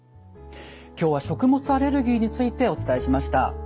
今日は食物アレルギーについてお伝えしました。